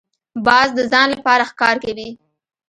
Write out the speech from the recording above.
باز د ځان لپاره ښکار کوي